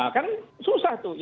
kan susah tuh